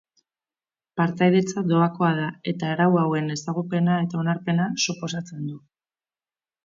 Partaidetza doakoa da eta arau hauen ezagupena eta onarpena suposatzen du.